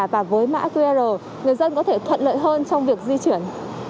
và với mã qr người dân có thể thuận lợi hơn trong việc di chuyển